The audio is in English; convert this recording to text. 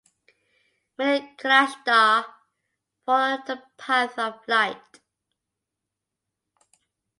Many kalashtar follow the Path of Light.